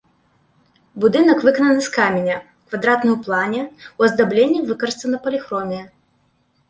Будынак выканана з каменя, квадратны ў плане, у аздабленні выкарыстана паліхромія.